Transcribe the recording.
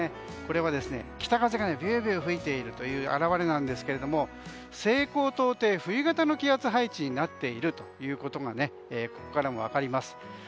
これは北風がビュービューと吹いている表れですが西高東低、冬型の気圧配置になっているということがここからも分かります。